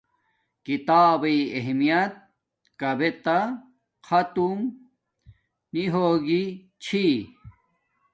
کتابݵ اہمیت کابے تا ختم نی ہوگی چھی